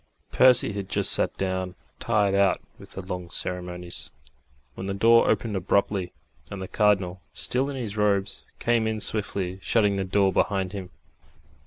Percy had just sat down, tired out with the long ceremonies, when the door opened abruptly, and the Cardinal, still in his robes, came in swiftly, shutting the door behind him.